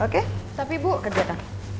oke tapi bu kerjaan